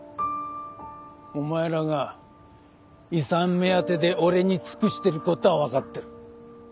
お前らが遺産目当てで俺に尽くしてることは分かってる。